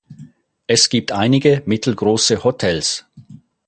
Es gibt einige mittelgroße Hotels.